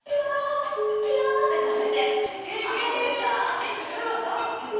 えっそれはダンスケロ？